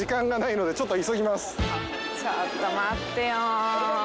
ちょっと待ってよ。